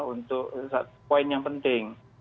untuk satu poin yang penting